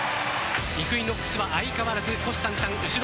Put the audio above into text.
イクイノックスは相変わらず虎視眈々。